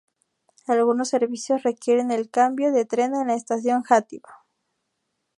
Algunos servicios requieren el cambio de tren en la estación de Játiva.